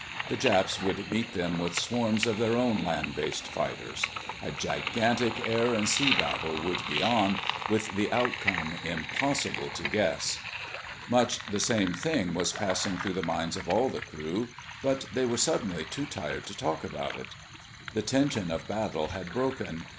The Japs would meet them with swarms of their own land based fighters. A gigantic air and sea battle would be on, with the outcome impossible to guess. Much the same thing was passing through the minds of all the crew, but they were suddenly too tired to talk about it. The tension of battle had broken.